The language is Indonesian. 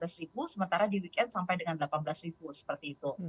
sementara di weekend sampai dengan delapan belas seperti itu